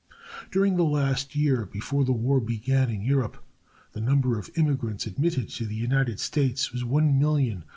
During the last year before the war began in Europe the number of immigrants admitted to the United States was 1,218,480.